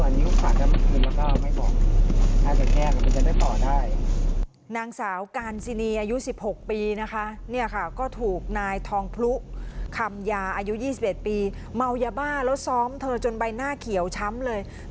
นางสาวการซินีอายุ๑๖ปีนะคะเนี่ยค่ะก็ถูกนายทองพลุคำยาอายุ๒๑ปีเมายาบ้าแล้วซ้อมเธอจนใบหน้าเขียวช้ำเลย